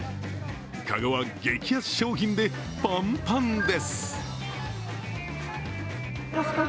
かごは激安商品でパンパンです。